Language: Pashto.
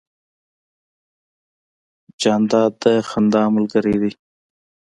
جانداد د خندا ملګری دی.